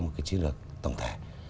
một cái chiến lược tổng thể